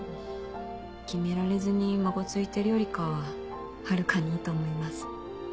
決められずにまごついてるよりかははるかにいいと思います。